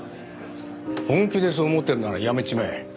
本気でそう思ってるなら辞めちまえ。